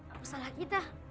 apa salah kita